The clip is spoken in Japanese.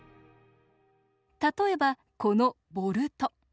例えばこのボルト。